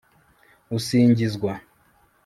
usingizwa